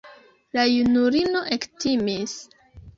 La junulino ektimis.